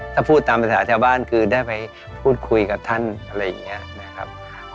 ถ้าพูดตามภาษาชาวบ้านคือได้ไปพูดคุยกับท่านอะไรอย่างนี้นะครับ